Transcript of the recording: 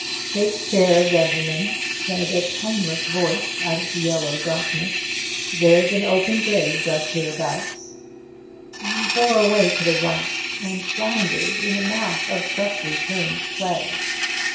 "Take care, gentlemen," said a toneless voice out of the yellow darkness, "there's an open grave just hereabouts." You bore away to the right, and floundered in a mass of freshly turned clay.